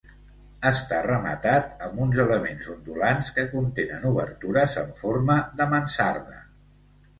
Està rematat amb uns elements ondulants que contenen obertures en forma de mansarda.